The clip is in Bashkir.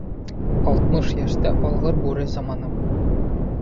Алтмыш йәштә алғыр бүре заманым